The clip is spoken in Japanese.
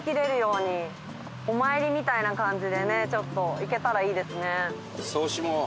みたいな感じでねちょっと行けたらいいですね。